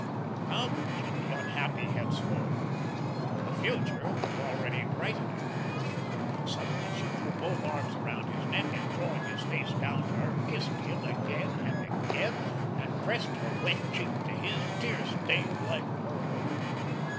How could she be unhappy henceforward? The future was already brightening. Suddenly she threw both arms around his neck, and drawing his face down to her, kissed him again and again, and pressed her wet cheek to his tear stained like her own.